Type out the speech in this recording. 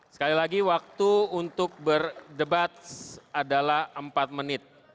sekali lagi waktu untuk berdebat adalah empat menit